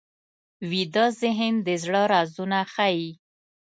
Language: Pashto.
ویده ذهن د زړه رازونه ښيي